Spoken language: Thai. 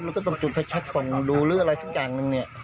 มันก็จุดชัดส่งดูเรื่อยอะไรซักอย่างนึงเนี่ย